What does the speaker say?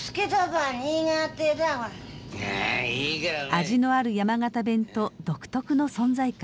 味のある山形弁と独特の存在感。